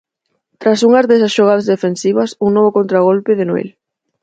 Tras unhas desas xogadas defensivas, un novo contragolpe de Noel.